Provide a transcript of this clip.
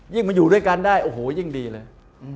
มาอยู่ด้วยกันได้โอ้โหยิ่งดีเลย